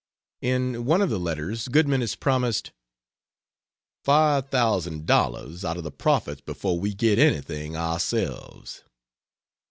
In one of the letters Goodman is promised "five hundred thousand dollars out of the profits before we get anything ourselves."